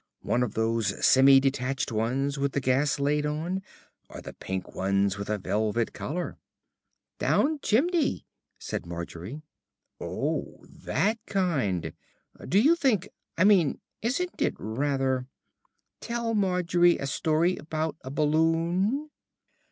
One of those semi detached ones with the gas laid on, or the pink ones with a velvet collar?" "Down chimney," said Margery. "Oh, that kind. Do you think I mean, isn't it rather " "Tell Margie a story about a balloon."